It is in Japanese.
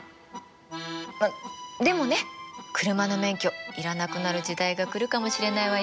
あっでもね車の免許要らなくなる時代が来るかもしれないわよ？